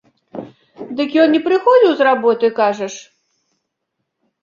Дык ён не прыходзіў з работы, кажаш?